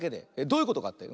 どういうことかって？